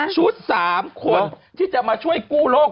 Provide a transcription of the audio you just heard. ๓คนที่จะมาช่วยกู้โลก